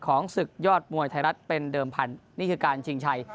ศึกยอดมวยไทยรัฐเป็นเดิมพันธุ์นี่คือการชิงชัย